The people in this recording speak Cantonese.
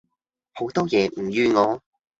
好多野唔預我